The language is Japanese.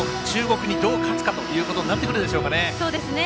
中国にどう勝つかということになるでしょうか。